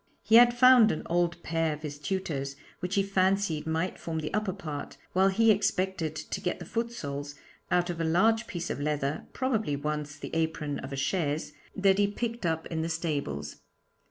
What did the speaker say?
He had found an old pair of his tutor's, which he fancied might form the upper part, while he expected to get the foot soles out of a large piece of leather probably once the apron of a 'chaise' that he picked up in the stables.